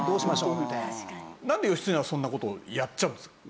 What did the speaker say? なんで義経はそんな事やっちゃうんですか？